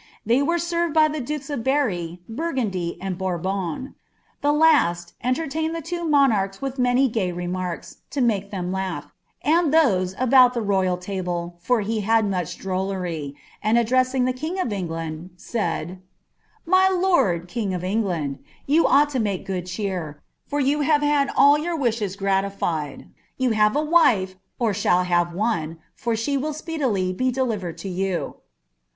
They were served by iba dak« of Berri, Burgundy, and Buurbon; ibe lant entertained the two nwaarda with many gay remarket, to make ihem laugh, and those abaui ifae npi table, for he bad much drollery ; and addressing the king of Engludi ■ My lord king of England, you ought to make good cheor. Eat Voa have had all your wishes gratified. You have a wife, or atudl ban OOA for she will speeddy be delivered to you.'